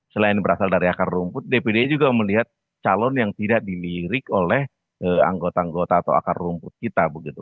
selain berasal dari akar rumput dpd juga melihat calon yang tidak dilirik oleh anggota anggota atau akar rumput kita begitu